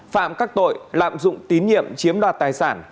phạm các tội lạm dụng tín nhiệm chiếm đoạt tài sản